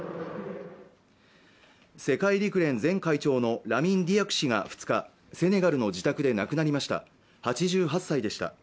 世界陸連前会長のラミン・ディアク氏が２日セネガルの自宅で亡くなりました８８歳でした